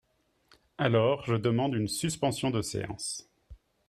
Alors je demande une suspension de séance